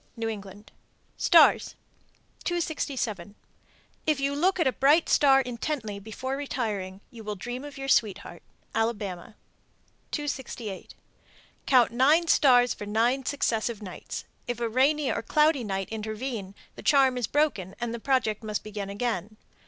New England. STARS. 267. If you look at a bright star intently before retiring, you will dream of your sweetheart. Alabama. 268. Count nine stars for nine successive nights. (If a rainy or cloudy night intervene, the charm is broken, and the project must be begun again.)